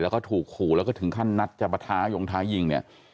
แล้วถูกขริงถึงท่านัตรัสจัดประท้โยงท้ายิ่ง